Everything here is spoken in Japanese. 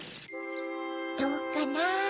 どうかな？